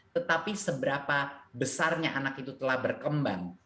tetapi seberapa besarnya anak itu telah berkembang